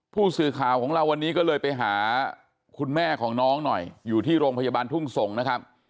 ผู้สื่อข่าวของเราวันนี้ก็เลยไปหาคุณแม่ของน้องหน่อยอยู่ที่โรงพยาบาลทุ่งสงศ์นะครับ